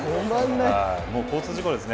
もう交通事故ですね